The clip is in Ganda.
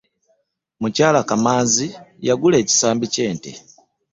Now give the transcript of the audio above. Mukyala Kamanzi yagula ekisambi kye nte .